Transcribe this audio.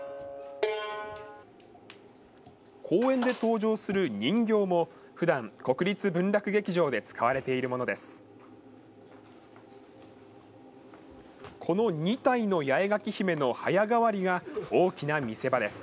公演で登場する人形も、ふだん、国立文楽劇場で使われているものです。